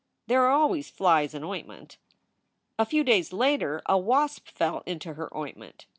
There are always flies in ointment. A few days later a wasp fell into her ointment.